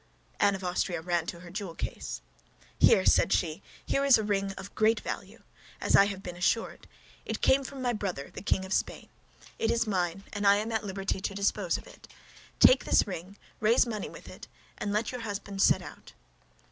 Anne of Austria ran to her jewel case. "Here," said she, "here is a ring of great value, as I have been assured. It came from my brother, the King of Spain. It is mine, and I am at liberty to dispose of it. Take this ring; raise money with it, and let your husband set out."